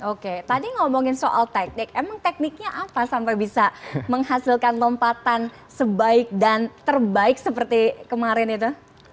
oke tadi ngomongin soal teknik emang tekniknya apa sampai bisa menghasilkan lompatan sebaik dan terbaik seperti kemarin itu